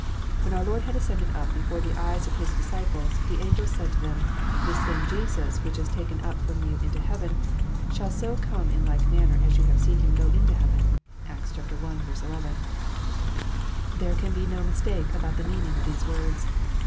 When our Lord had ascended up before the eyes of His disciples, the angels said to them, " This same Jesus which is taken up from you into heaven, shall so come in like manner as ye have seen Him go into heaven." (Acts i. 11.) There can be no mistake about the meaning of these words.